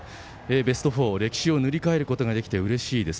ベスト４歴史を塗り替えることができてうれしいです。